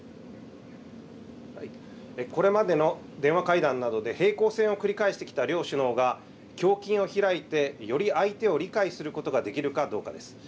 これまでの電話会談などで、平行線を繰り返してきた両首脳が、胸襟を開いてより相手を理解することができるかどうかです。